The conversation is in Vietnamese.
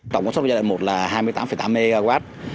tổng số giai đoạn một là hai mươi tám tám mw